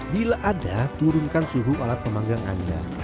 bila ada turunkan suhu alat pemanggang anda